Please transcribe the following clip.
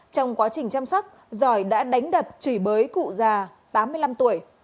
trong quá trình chăm sóc giỏi đã đánh đập chửi bới cụ già tám mươi năm tuổi